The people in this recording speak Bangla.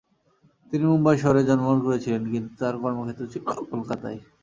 তিনি মুম্বাই শহরে জন্মগ্রহণ করেছিলেন, কিন্তু তার কর্মক্ষেত্র ছিল কলকাতায়।